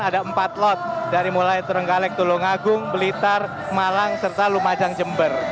ada empat lot dari mulai terenggalek tulungagung blitar malang serta lumajang jember